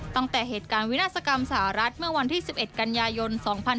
ตั้งแต่เหตุการณ์วินาศกรรมสหรัฐเมื่อวันที่๑๑กันยายน๒๕๕๙